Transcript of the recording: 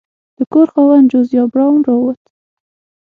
د کور خاوند جوزیا براون راووت.